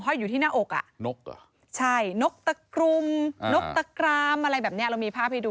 อยู่ที่หน้าอกอ่ะนกเหรอใช่นกตะกรุมนกตะกรามอะไรแบบเนี้ยเรามีภาพให้ดู